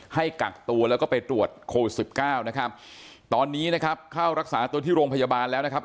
ให้กักตัวแล้วก็ไปตรวจโควิดสิบเก้านะครับตอนนี้นะครับเข้ารักษาตัวที่โรงพยาบาลแล้วนะครับ